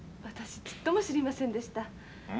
私ちっとも知りませんでした。